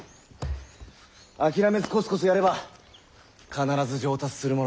諦めずコツコツやれば必ず上達するものだ。